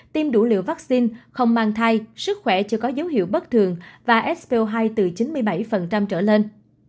tiêm đủ liều vaccine không mang thai sức khỏe chưa có dấu hiệu bất thường và so hai từ chín mươi bảy trở lên